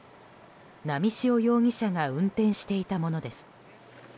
波汐容疑者が運転していたものです。